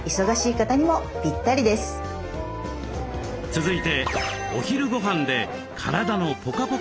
続いてお昼ごはんで体のポカポカをキープ。